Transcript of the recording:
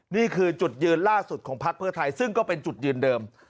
นี่คือจุดยืนล่าสุดของพักเพื่อไทยซึ่งก็เป็นจุดยืนเดิม